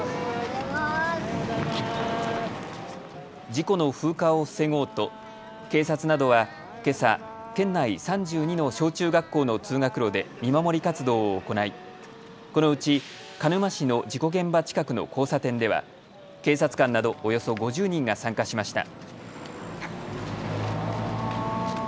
事故の風化を防ごうと警察などは、けさ県内３２の小中学校の通学路で見守り活動を行いこのうち鹿沼市の事故現場近くの交差点では警察官などおよそ５０人が参加しました。